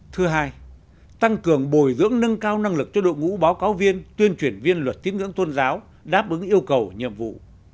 thứ hai tăng cường bồi dưỡng nâng cao năng lực cho đội ngũ báo cáo viên tuyên truyền viên luật tiếng ngưỡng tôn giáo đáp ứng yêu cầu nhiệm vụ